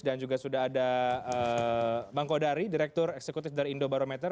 dan juga sudah ada bang kodari direktur eksekutif dari indo barometer